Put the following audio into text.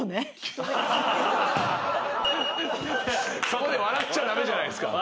そこで笑っちゃ駄目じゃないですか。